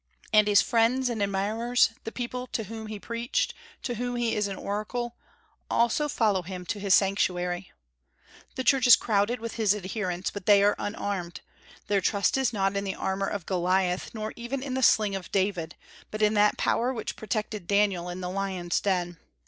And his friends and admirers the people to whom he preached, to whom he is an oracle also follow him to his sanctuary. The church is crowded with his adherents, but they are unarmed. Their trust is not in the armor of Goliath, nor even in the sling of David, but in that power which protected Daniel in the lions' den.